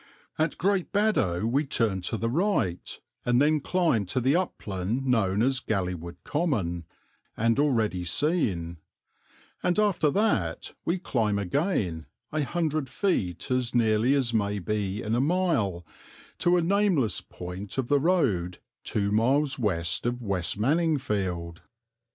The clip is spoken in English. At Great Baddow we turn to the right and then climb to the upland known as Galleywood Common, and already seen; and after that we climb again, a hundred feet as nearly as may be in a mile, to a nameless point of the road two miles west of West Manningfield.